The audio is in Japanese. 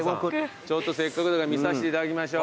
ちょっとせっかくだから見させていただきましょう。